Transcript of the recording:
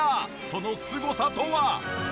そのすごさとは？